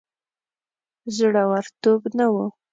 زړه ورتوب نه وو.